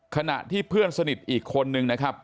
ขณะที่เพื่อนสนิทอีกคนนึงนะครับ